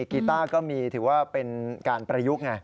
กีต้าก็มีถือว่าเป็นการประยุกต์ไง